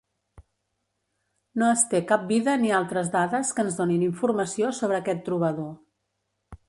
No es té cap vida ni altres dades que ens donin informació sobre aquest trobador.